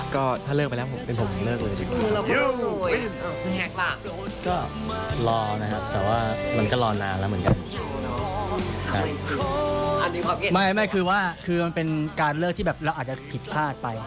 ก็ถ้าเลือกไปแล้วผมเป็นผมเลือกเลยว่า